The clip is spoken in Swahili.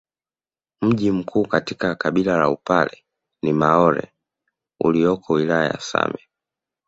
Mji mkuu katika kabila la upare ni maore ulioko wilaya ya same